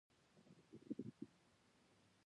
نورستان په افغانستان کې د ټولو خلکو د خوښې ځای دی.